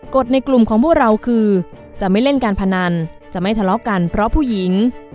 ในกลุ่มของพวกเราคือจะไม่เล่นการพนันจะไม่ทะเลาะกันเพราะผู้หญิง